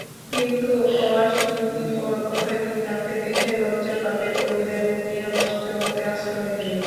কিন্তু অশীতিপর কথাটি তাঁকে দেখে লজ্জা পাবে, অভিধানের নিরাপদ জগতে আশ্রয় নেবে।